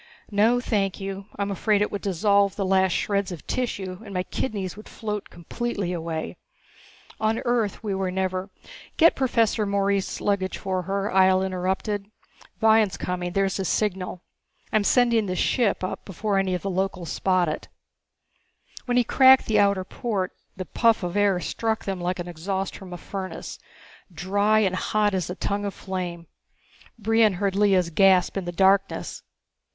"No, thank you. I'm afraid it would dissolve the last shreds of tissue and my kidneys would float completely away. On Earth we never " "Get Professor Morees' luggage for her," Ihjel interrupted. "Vion's coming, there's his signal. I'm sending this ship up before any of the locals spot it." When he cracked the outer port the puff of air struck them like the exhaust from a furnace, dry and hot as a tongue of flame. Brion heard Lea's gasp in the darkness.